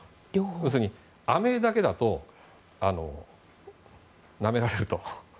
要するにアメだけだとなめられると。